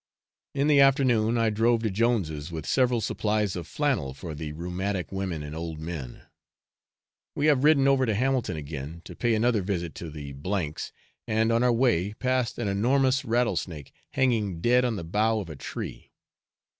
In the afternoon, I drove to Jones's with several supplies of flannel for the rheumatic women and old men. We have ridden over to Hamilton again, to pay another visit to the F s, and on our way passed an enormous rattlesnake, hanging dead on the bough of a tree.